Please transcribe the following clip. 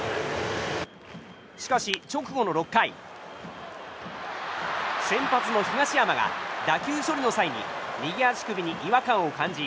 しかし、直後の６回先発の東浜が打球処理の際に右足首に違和感を感じ